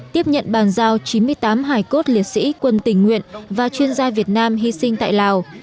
tiếp nhận bàn giao chín mươi tám hải cốt liệt sĩ quân tình nguyện và chuyên gia việt nam hy sinh tại lào